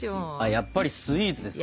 やっぱりスイーツですか？